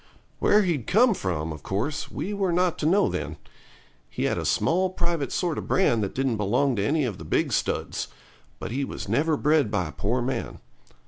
Where he'd come from, of course, we were not to know then. He had a small private sort of brand that didn't belong to any of the big studs; but he was never bred by a poor man.